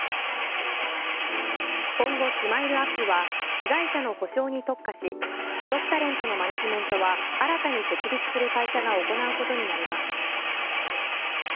今後ＳＭＩＬＥ−ＵＰ．は被害者の補償に特化し所属タレントのマネジメントは新たに設立する会社が行うことになります。